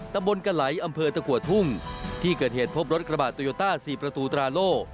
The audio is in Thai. ตำบลกะไหลอำเภอตะกัวทุ่งที่เกิดเหตุพบรถกระบะโตโยต้า๔ประตูตราโล่